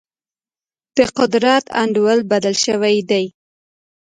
د قدرت انډول بدل شوی دی.